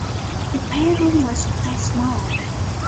The pay-room was quite small.